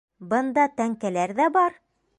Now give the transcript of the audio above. Бында тәңкәләр ҙә бар!